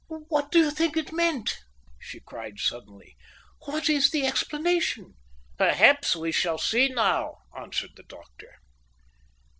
"What do you think it meant?" she cried suddenly. "What is the explanation?" "Perhaps we shall see now," answered the doctor.